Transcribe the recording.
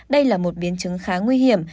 đây là một biến chứng khá nguy hiểm